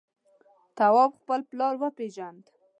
تواب خپل پلار وپېژند.